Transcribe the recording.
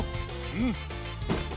うん！